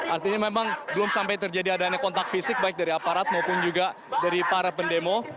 artinya memang belum sampai terjadi adanya kontak fisik baik dari aparat maupun juga dari para pendemo